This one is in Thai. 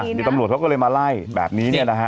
มีนะตำรวจเขาก็เลยมาไล่แบบนี้เนี่ยเนี่ยฮะ